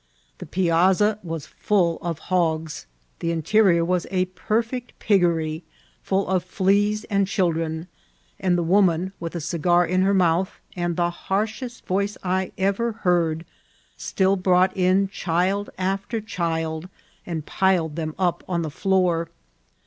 The piazza was full of hogs ; the interior was a perfect piggery, ftiU of fleas and children ; and the woman, with a cigar in her mouth, and the harshest voice I ever heard, still brought in child after child, and piled them up on the floor.